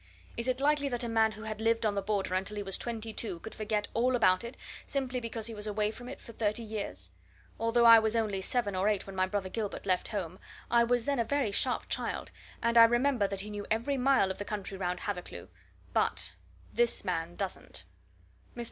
Is it likely that a man who had lived on the Border until he was two and twenty could forget all about it, simply because he was away from it for thirty years? Although I was only seven or eight when my brother Gilbert left home, I was then a very sharp child, and I remember that he knew every mile of the country round Hathercleugh. But this man doesn't." Mr.